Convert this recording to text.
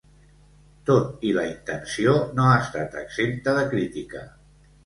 Tot i la intenció, no ha estat exempta de crítica.